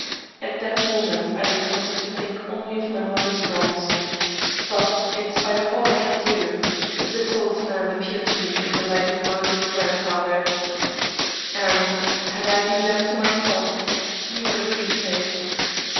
At that moment I attempted to think only of my mother's wrongs ; but, in spite of all I could do, this old man appeared to me in the light of Margaret's' grandfather — and, had I been left to myself, he would have been saved.